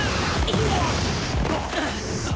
うわっ！